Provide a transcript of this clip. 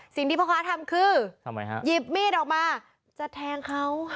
สิ่งที่พ่อค้าทำคือทำไมฮะหยิบมีดออกมาจะแทงเขา